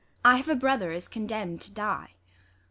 I have a brother is condemn'd to die.